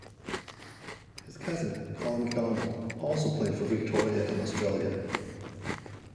His cousin, Colin McDonald, also played for Victoria and Australia.